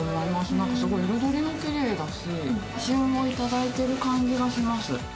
なんかすごい彩りもきれいだし、旬を頂いている感じがします。